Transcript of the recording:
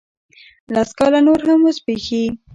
لس کاله نور هم وزبیښي